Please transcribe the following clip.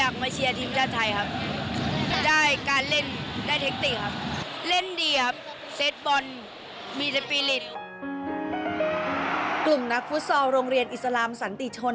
กลุ่มนักฟุตซอลโรงเรียนอิสลามสันติชน